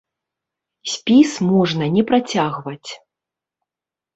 Спіс можна не працягваць.